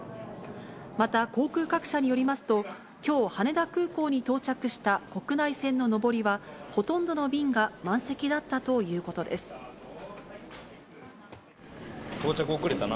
また、航空各社によりますと、きょう、羽田空港に到着した国内線の上りは、ほとんどの便が満席だったと到着遅れたな。